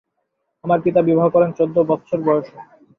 আমার পিতা বিবাহ করেন চৌদ্দ বৎসর বয়সে।